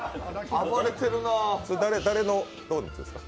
それ、誰のドーナツですか？